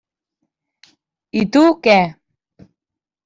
I tu què?